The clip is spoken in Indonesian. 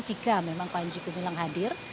jika memang panji gumilang hadir